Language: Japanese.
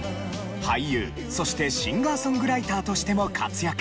俳優そしてシンガーソングライターとしても活躍。